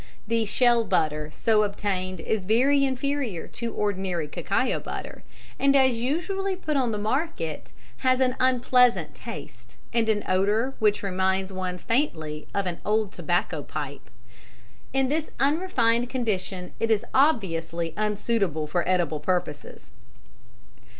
The "shell butter" so obtained is very inferior to ordinary cacao butter, and as usually put on the market, has an unpleasant taste, and an odour which reminds one faintly of an old tobacco pipe. In this unrefined condition it is obviously unsuitable for edible purposes.